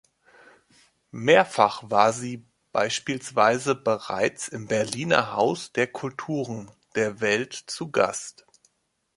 Mehrfach war sie beispielsweise bereits im Berliner Haus der Kulturen der Welt zu Gast.